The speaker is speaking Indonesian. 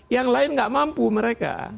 yang lain nggak mampu mereka